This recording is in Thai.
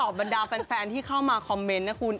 บรรดาแฟนที่เข้ามาคอมเมนต์นะคุณ